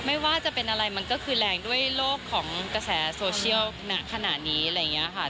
ไม่ว่าจะเป็นอะไรมันก็คือแรงด้วยโลกของกระแสโซเชียลณขณะนี้อะไรอย่างนี้ค่ะ